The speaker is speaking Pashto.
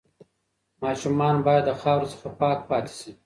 ماشومان باید د خاورو څخه پاک پاتې شي.